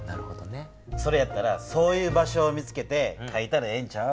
それやったらそういう場所を見つけてかいたらええんちゃう？